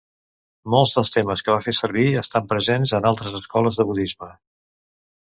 Molts dels temes que va fer servir estan presents en altres escoles de budisme.